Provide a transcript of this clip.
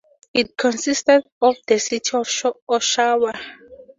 It consisted of the City of Oshawa.